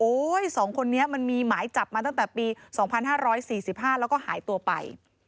๒คนนี้มันมีหมายจับมาตั้งแต่ปี๒๕๔๕แล้วก็หายตัวไป